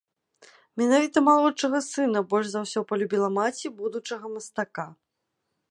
Менавіта малодшага сына больш за ўсё палюбіла маці будучага мастака.